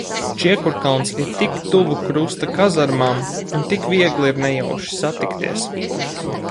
Čiekurkalns ir tik tuvu Krusta kazarmām, un tik viegli ir nejauši satikties.